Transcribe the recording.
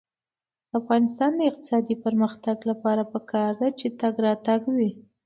د افغانستان د اقتصادي پرمختګ لپاره پکار ده چې تګ راتګ وي.